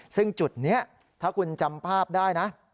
ซึ่งจุดนี้ถ้าคุณจำภาพได้นะ